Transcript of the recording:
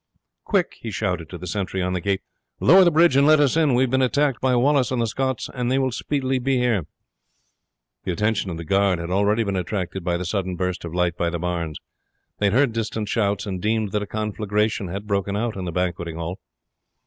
"Quick!" he shouted to the sentry on the gate. "Lower the bridge and let us in. We have been attacked by Wallace and the Scots, and they will speedily be here." The attention of the guard had already been attracted by the sudden burst of light by the barns. They had heard distant shouts, and deemed that a conflagration had broken out in the banqueting hall.